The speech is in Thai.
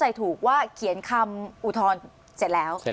อันดับที่สุดท้าย